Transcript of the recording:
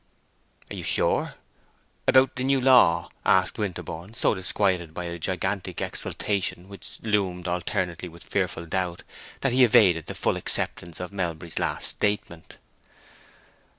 "Are you sure—about this new law?" asked Winterborne, so disquieted by a gigantic exultation which loomed alternately with fearful doubt that he evaded the full acceptance of Melbury's last statement.